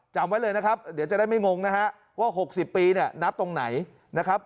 จำไว้เลยนะครับเดี๋ยวจะได้ไม่งงนะฮะว่า๖๐ปีเนี่ยนับตรงไหนนะครับ